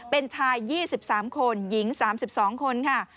เป็นชาย๒๓คนหญิง๓๒คนค่ะ